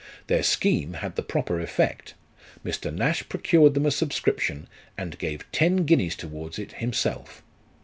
Their scheme had the proper effect. Mr. Nash procured them a subscription, and gave ten guineas towards it himself.